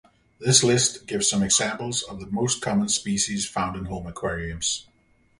This list gives some examples of the most common species found in home aquariums.